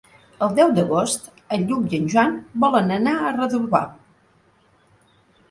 El deu d'agost en Lluc i en Joan volen anar a Redovà.